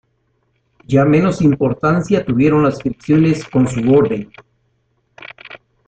Ya menor importancia tuvieron las fricciones con su orden.